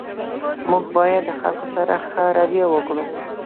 موږ باید د خلګو سره ښه رویه وکړو